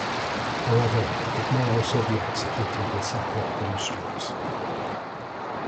However, it may also be executed with separate bow strokes.